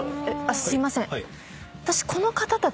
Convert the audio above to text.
すいません。